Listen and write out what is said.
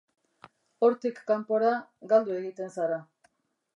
Hortik kanpora, galdu egiten zara.